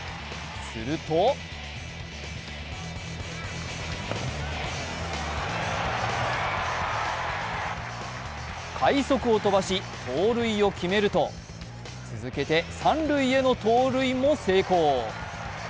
すると快足を飛ばし、盗塁を決めると続けて三塁への盗塁も成功。